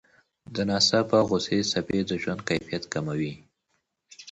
د ناڅاپه غوسې څپې د ژوند کیفیت کموي.